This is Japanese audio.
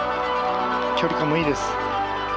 距離感もいいです。